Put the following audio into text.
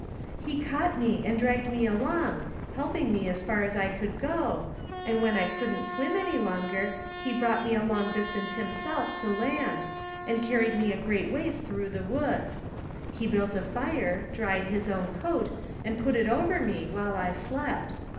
" He caught me and dragged me along, helping me 102 THE FINDmO OF JASPER HOLT as far as I could go, and when I couldn't swim any longer he brought me a long distance himself to land, and carried me a great ways through the woods. He built a fire, dried his own coat, and put it over me while I slept.